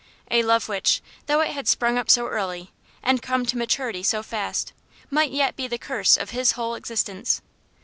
A love which, though it had sprung up so early, and come to maturity so fast, might yet be the curse of his whole existence.